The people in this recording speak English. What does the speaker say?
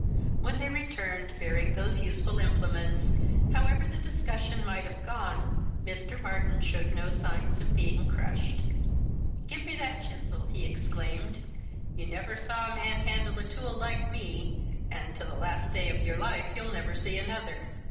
When they returned, bearing those useful implements, however the discussion might have gone, Mr. Martyn showed no signs of being crushed. "Give me that chisel," he exclaimed. "You never saw a man handle a tool like me and to the last day of your life you'll never see another.